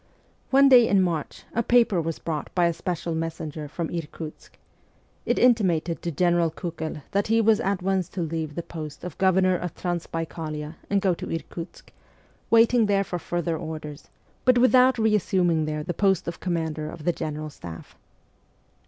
One day in March a paper was brought by a special messenger from Irkutsk. It intimated to General Kiikel that he was at once to leave the post of Governor of Transbaikalia and go to Irkutsk, waiting there for further orders, but without reassuming there the post of commander of the general staff.